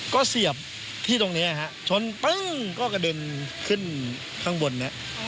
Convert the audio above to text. ก็เสียบที่ตรงนี้ฮะชนปึ้งก็กระเด็นขึ้นข้างบนเนี่ย